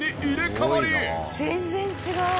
全然違う。